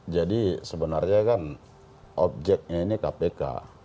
jadi sebenarnya kan objeknya ini kpk